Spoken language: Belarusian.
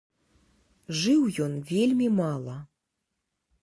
Жыў ён вельмі мала.